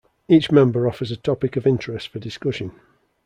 Each member offers a topic of interest for discussion.